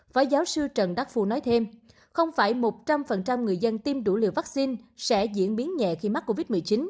phó giáo sư trần đắc phu nói thêm không phải một trăm linh người dân tiêm đủ liều vaccine sẽ diễn biến nhẹ khi mắc covid một mươi chín